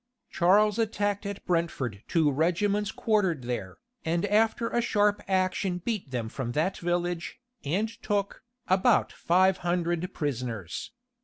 Charles attacked at Brentford two regiments quartered there, and after a sharp action beat them from that village, and took, about five hundred prisoners.